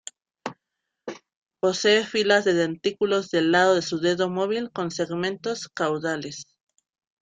Posee filas de dentículos del lado de su dedo móvil con segmentos caudales.